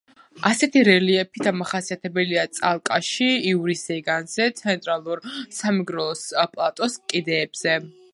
ასეთი რელიეფი დამახასიათებელია წალკაში, ივრის ზეგანზე, ცენტრალურ სამეგრელოს პლატოს კიდეებზე.